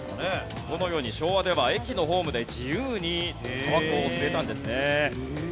このように昭和では駅のホームで自由にタバコを吸えたんですね。